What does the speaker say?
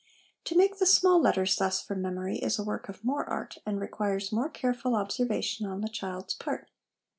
To make the small letters thus from memory is a work of more art, and requires more careful observation on the child's part.